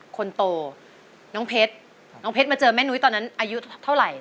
คนโตน้องเพชรน้องเพชรมาเจอแม่นุ้ยตอนนั้นอายุเท่าไหร่